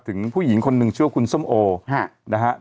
ถึงผู้หญิงคนหนึ่งชื่อคุณสมโอนะครับ